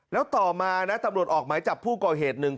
แล้วต่อมานะตำรวจออกหมายจับผู้ก่อเหตุหนึ่ง